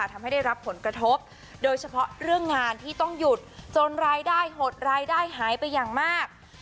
ทำให้ได้รับผลกระทบโดยเฉพาะเรื่องงานที่ต้องหยุดจนรายได้หดรายได้หายไปอย่างมาก